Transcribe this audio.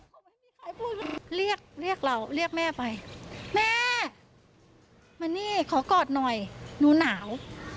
เรียกเรียกเราเรียกแม่ไปแม่มานี่ขอกอดหน่อยหนูหนาว